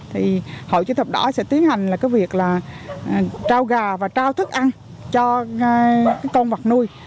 thì hội chữ thập đỏ sẽ tiến hành là cái việc là trao gà và trao thức ăn cho con vật nuôi